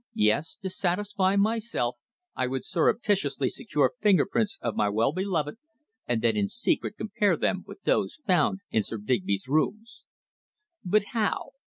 Yes, to satisfy myself I would surreptitiously secure finger prints of my well beloved and then in secret compare them with those found in Sir Digby's rooms. But how?